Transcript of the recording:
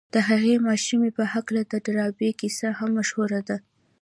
د هغې ماشومې په هکله د ډاربي کيسه هم مشهوره ده.